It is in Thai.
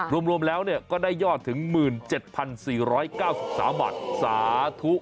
รวมแล้วก็ได้ยอดถึง๑๗๔๙๓บาทสาธุ